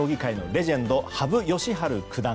レジェンド羽生善治九段。